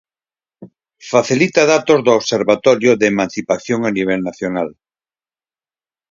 Facilita datos do Observatorio de Emancipación a nivel nacional.